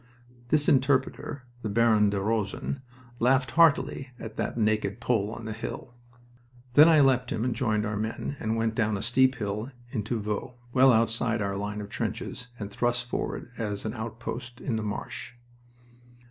This interpreter the Baron de Rosen laughed very heartily at that naked pole on the hill. Then I left him and joined our own men, and went down a steep hill into Vaux, well outside our line of trenches, and thrust forward as an outpost in the marsh.